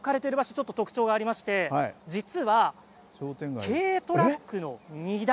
ちょっと特徴がありまして実は軽トラックの荷台